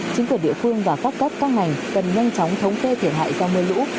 chính quyền địa phương và các cấp các ngành cần nhanh chóng thống kê thiệt hại do mưa lũ